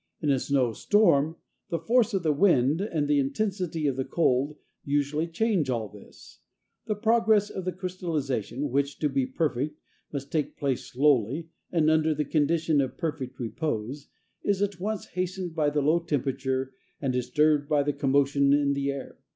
In a snow storm the force of the wind and the intensity of the cold usually change all this. The progress of the crystallization, which to be perfect must take place slowly, and under the condition of perfect repose, is at once hastened by the low temperature, and disturbed by the commotion in the air.